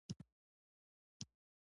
هلک له دعا نه هیله لري.